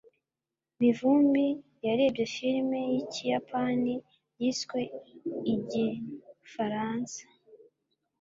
Mivumbi yarebye filime yikiyapani yiswe igifaransa.